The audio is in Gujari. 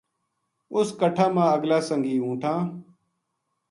اس کٹھا ما اگلا سنگی اونٹھاں